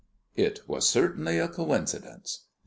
It was certainly a coincidence.